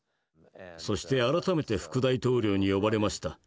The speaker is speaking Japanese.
そして改めて副大統領に呼ばれました。